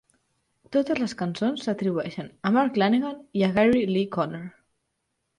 Totes les cançons s'atribueixen a Mark Lanegan i Gary Lee Conner.